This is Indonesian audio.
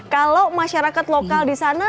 kalau masyarakat lokal di sana